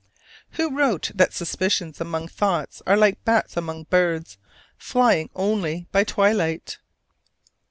Who wrote that suspicions among thoughts are like bats among birds, flying only by twilight?